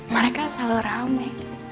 mereka selalu rame